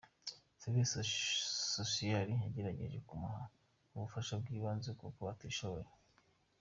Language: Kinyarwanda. Service social yagerageje kumuha ubufasha bw’ibanze kuko atishoboye.